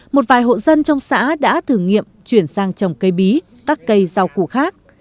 một vài hộ dân trong xã đã thử nghiệm chuyển sang trồng cây bí các cây rau củ khác